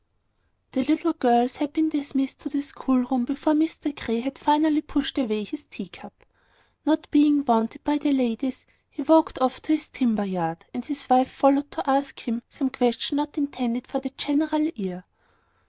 The little girls had been dismissed to the schoolroom before Mr Grey had finally pushed away his tea cup. Not being wanted by the ladies, he walked off to his timber yard, and his wife followed to ask him some question not intended for the general ear.